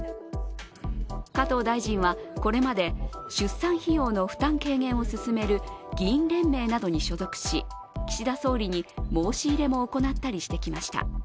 加藤大臣は、これまで出産費用の軽減を進める議員連盟などに所属し、岸田総理に申し入れも行ったりしてきました。